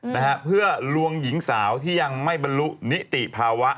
นะฮะเพื่อลวงหญิงสาวที่ยังไม่บรรลุนิติภาวะ